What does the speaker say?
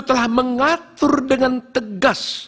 telah mengatur dengan tegas